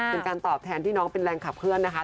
เป็นการตอบแทนที่น้องเป็นแรงขับเคลื่อนนะคะ